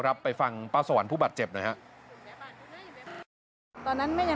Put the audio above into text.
รับไปฟังป้าสวรรค์ผู้บาดเจ็บหน่อย